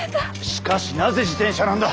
しかしなぜ自転車なんだ。